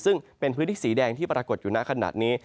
ซึ่งเป็นพื้นที่สีแดงที่ปรากฏอยู่หน้าขนาดนี้